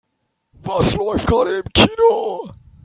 Was läuft gerade im Kino?